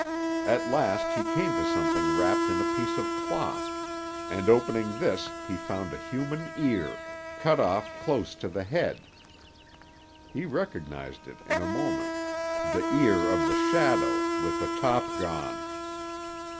At last he came to something wrapped in a piece of cloth, and opening this he found a human ear, cut off close to the head! He recognized it in a moment, the ear of the shadow, with the top gone!